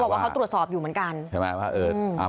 เขาบอกว่าเขาตรวจสอบอยู่เหมือนกัน